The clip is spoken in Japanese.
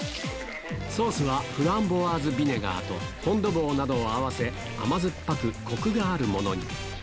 ソースはフランボワーズビネガーと、フォン・ド・ヴォーなどを合わせ、甘酸っぱく、コクがあるものに。